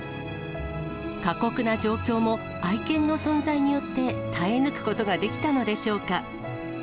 過酷な状況も、愛犬の存在によって耐え抜くことができたのでしょうか。